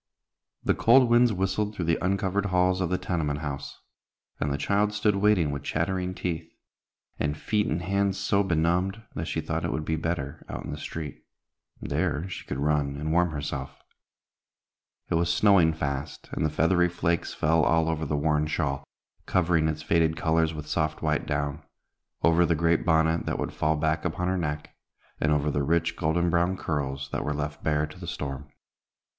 The cold winds whistled through the uncovered halls of the tenement house, and the child stood waiting with chattering teeth, and feet and hands so benumbed that she thought it would be better out in the street. There she could run and warm herself. It was snowing fast, and the feathery flakes fell all over the worn shawl, covering its faded colors with soft white down; over the great bonnet that would fall back upon her neck; and over the rich, golden brown curls, that were left bare to the storm.